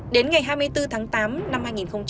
đến ngày hai mươi bốn tháng tám năm hai nghìn một mươi sáu